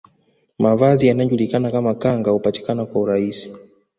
Mavazi yanayojulikana kama kanga hupatikana kwa urahisi